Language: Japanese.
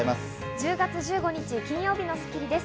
１０月１５日、金曜日の『スッキリ』です。